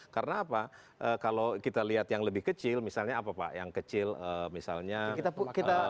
karena apa kalau kita lihat yang lebih kecil misalnya apa pak yang kecil misalnya